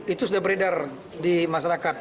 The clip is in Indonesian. itu sudah beredar di masyarakat